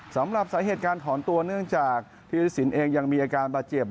สำหรับสาเหตุการถอนตัวเนื่องจากธิริสินเองยังมีอาการบาดเจ็บ